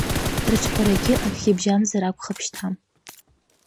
Рыҿҳәарагьы акгьы бжьамзар акәхап шьҭа.